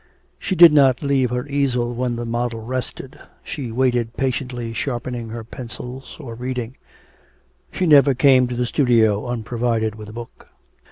She did not leave her easel when the model rested; she waited patiently sharpening her pencils or reading she never came to the studio unprovided with a book.